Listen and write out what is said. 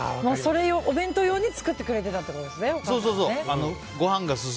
お弁当用に作ってくれてたってことですね。